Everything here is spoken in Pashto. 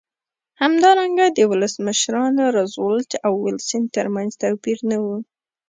همدارنګه د ولسمشرانو روزولټ او ویلسن ترمنځ توپیر نه و.